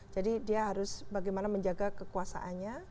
jadi dia harus bagaimana menjaga kekuasaannya